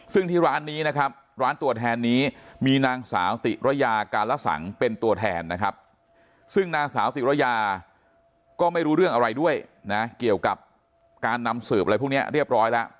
ซึ่งที่ร้านนี้นะครับร้านตัวแทนนี้มีนางสาวติระยาการละสังเป็นตัวแทนนะครับซึ่งนางสาวติรยาก็ไม่รู้เรื่องอะไรด้วยนะเกี่ยวกับการนำสืบอะไรพวกนี้เรียบร้อยแล้ว